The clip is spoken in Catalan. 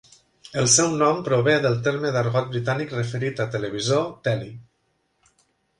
El seu nom prové del terme d'argot britànic referit a televisor, "telly".